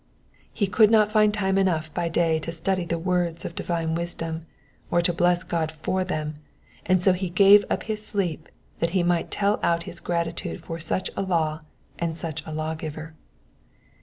He could not find time enough by day to study the words of divine wisdom, or to bless God for them, and so he gave up his sleep that he might tell out his gratitude for such a law and such a Law giver.